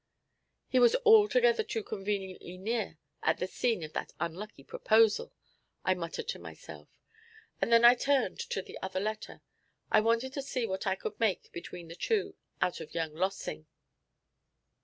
'He was altogether too conveniently near at the scene of that unlucky proposal,' I muttered to myself, and then I turned to the other letter. I wanted to see what I could make, between the two, out of young Lossing.